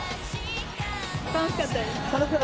楽しかったですか。